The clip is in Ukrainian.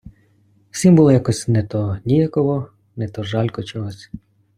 Всім було якось не то ніяково, не то жалько чогось.